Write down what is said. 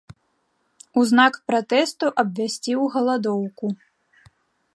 У знак пратэсту абвясціў галадоўку.